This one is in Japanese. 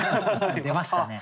出ましたね。